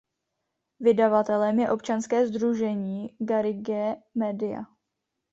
Vydavatelem je občanské sdružení Garrigue Media.